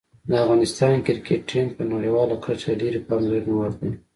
د افغانستان کرکټ ټیم په نړیواله کچه د ډېرې پاملرنې وړ دی.